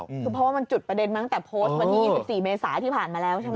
คือเพราะว่ามันจุดประเด็นมาตั้งแต่โพสต์วันที่๒๔เมษาที่ผ่านมาแล้วใช่ไหม